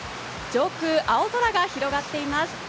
上空、青空が広がっています。